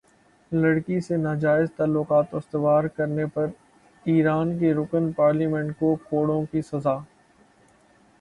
لڑکی سے ناجائز تعلقات استوار کرنے پر ایران کے رکن پارلیمنٹ کو کوڑوں کی سزا